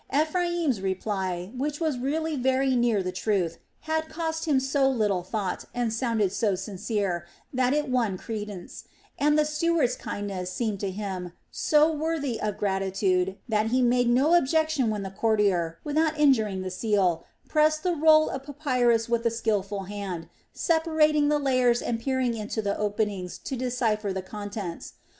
Ephraim's reply, which was really very near the truth, had cost him so little thought and sounded so sincere, that it won credence, and the steward's kindness seemed to him so worthy of gratitude that he made no objection when the courtier, without injuring the seal, pressed the roll of papyrus with a skilful hand, separating the layers and peering into the openings to decipher the contents.